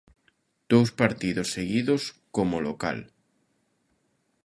Dous partidos seguidos como local.